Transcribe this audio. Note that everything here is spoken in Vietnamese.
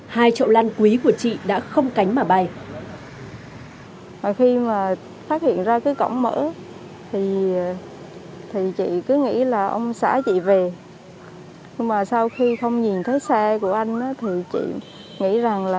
hai trậu lan quý của chị đã không cánh mà bay